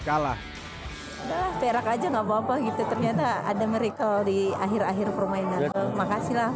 kalah perak aja nggak papa gitu ternyata ada mereka di akhir akhir permainan makasihlah